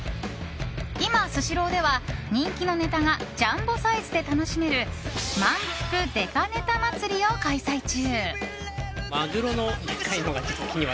今スシローでは人気のネタがジャンボサイズで楽しめる満腹デカネタ祭を開催中！